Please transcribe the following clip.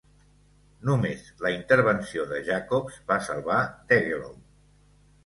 Només la intervenció de Jacobs va salvar Degelow.